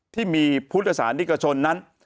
ที่มีพุทธศาสนิกชนนั้น